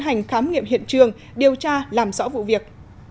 hành khám nghiệm hiện trường điều tra làm rõ vụ việc